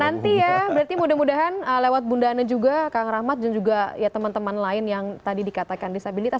nanti ya berarti mudah mudahan lewat bunda ana juga kang rahmat dan juga ya teman teman lain yang tadi dikatakan disabilitas